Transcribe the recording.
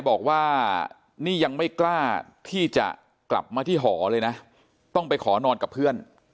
บอกว่านี่ยังไม่กล้าที่จะกลับมาที่หอเลยนะต้องไปขอนอนกับเพื่อน